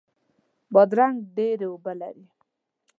بادرنګ ډیرې اوبه لري.